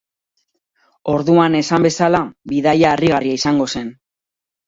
Orduan esan bezala, bidaia harrigarria izango zen.